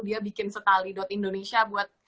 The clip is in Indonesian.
dia bikin setali indonesia buat